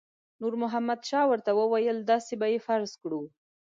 نور محمد شاه ورته وویل داسې به یې فرض کړو.